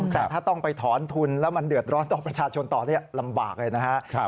แต่ถ้าต้องไปถอนทุนแล้วมันเดือดร้อนต่อประชาชนต่อลำบากเลยนะครับ